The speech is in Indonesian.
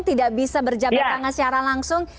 tidak bisa berjabat tangan secara langsung